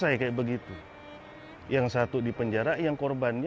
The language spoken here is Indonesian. ibunya sama rt